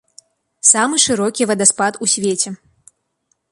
Самы шырокі вадаспад у свеце.